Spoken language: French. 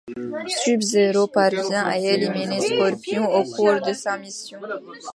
Sub-Zero parvient à éliminer Scorpion au cours de sa mission.